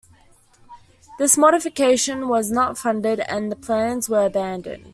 This modification was not funded and the plans were abandoned.